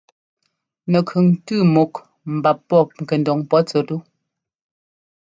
Nɛkʉŋ tʉ́ múk mbap pɔ́p ŋkɛndoŋ pɔ́ tsɛt tú.